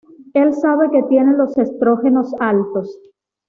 Él sabe que tiene los estrógenos altos.